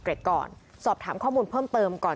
เมื่อวานแบงค์อยู่ไหนเมื่อวาน